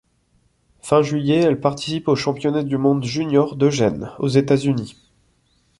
Fin juillet, elle participe aux Championnats du monde juniors d'Eugene, aux États-Unis.